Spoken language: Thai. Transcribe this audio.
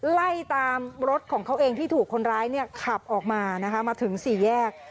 ไล่ตามรถของเขาเองที่ถูกคนร้ายเนี่ยขับออกมานะคะมาถึงสี่แยก